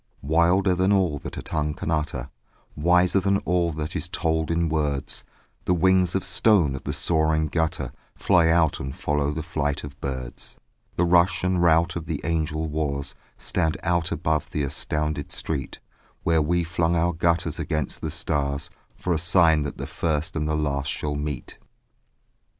Wilder than all that a tongue can utter, Wiser than all that is told in words, The wings of stone of the soaring gutter Fly out and follow the flight of the birds; The rush and rout of the angel wars Stand out above the astounded street, Where we flung our gutters against the stars For a sign that the first and the last shall meet.